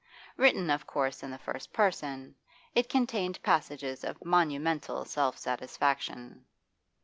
Written of course in the first person, it contained passages of monumental self satisfaction.